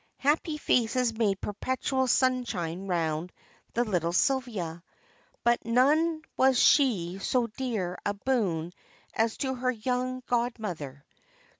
Happy faces made perpetual sunshine round the little Sylvia, but to none was she so dear a boon as to her young god mother.